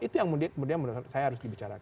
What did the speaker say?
itu yang menurut saya harus dibicarakan